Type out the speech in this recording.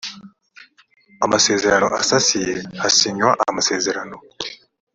amasezerano asasiye hasinywa amasezerano